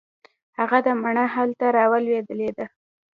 هغه ده مڼه هلته رالوېدلې ده.